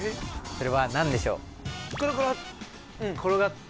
それはなんでしょう？